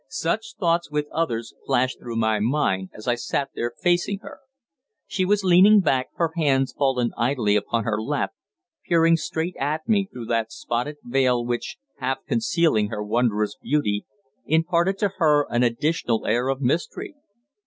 Such thoughts, with others, flashed through my mind as I sat there facing her. She was leaning back, her hands fallen idly upon her lap, peering straight at me through that spotted veil which, half concealing her wondrous beauty, imparted to her an additional air of mystery.